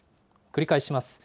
繰り返します。